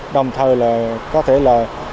đồng thời có thể là